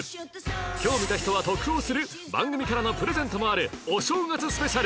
今日見た人は得をする番組からのプレゼントもあるお正月スペシャル